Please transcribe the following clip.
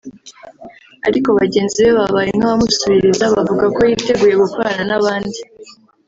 ariko bagenzi be babaye nk’abamusubiriza bavuga ko yiteguye gukorana n’abandi